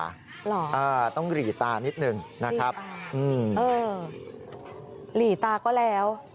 หรอต้องหลีตานิดนึงนะครับหลีตาก็แล้ว